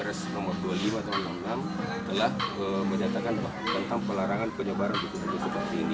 jadi beliau sepakat dengan saya akan menyebarkan buku buku ini dan akan mengembalikan ke percetakan